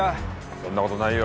そんな事ないよ。